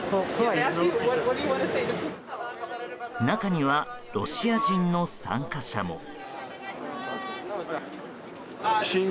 中には、ロシア人の参加者も。